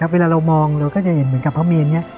เวลาเรามองเราก็จะเห็นเหมือนกับพระเมนนี้